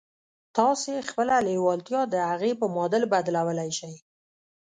تاسې خپله لېوالتیا د هغې په معادل بدلولای شئ